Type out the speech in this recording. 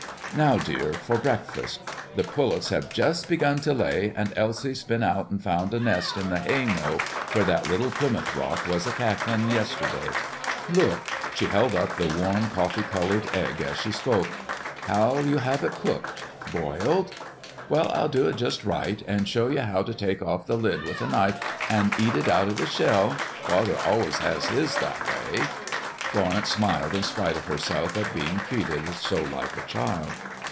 "Now, dear, for breakfast. The pullets have just begun to lay, an' Elsie's been out and found a nest in the haymow where that little Plymouth Rock was a cacklin' yesterday. Look!" She held up the warm, coffee colored egg as she spoke. "How'll you have it cooked? Boiled? Well, I'll do it just right, and show ye how to take off the lid with a knife and eat it out of the shell. Father always has his that way." Florence smiled in spite of herself at being treated so like a child.